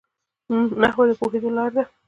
نحوه د پوهېدو لار ده.